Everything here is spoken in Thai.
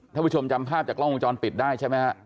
ถ้าผู้ชมจำภาพจากวงจรปิดได้ใช่ไหมฮะ